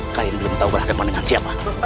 kalian belum tahu berhadapan dengan siapa